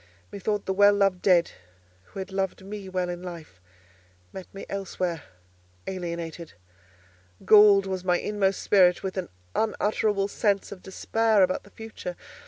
Methought the well loved dead, who had loved me well in life, met me elsewhere, alienated: galled was my inmost spirit with an unutterable sense of despair about the future.